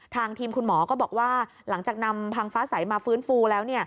ทางทีมคุณหมอก็บอกว่าหลังจากนำพังฟ้าใสมาฟื้นฟูแล้ว